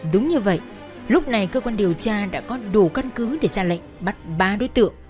đúng như vậy lúc này cơ quan điều tra đã có đủ căn cứ để ra lệnh bắt ba đối tượng